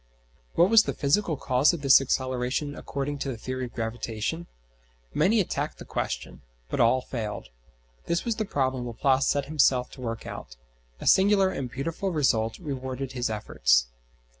What was the physical cause of this acceleration according to the theory of gravitation? Many attacked the question, but all failed. This was the problem Laplace set himself to work out. A singular and beautiful result rewarded his efforts.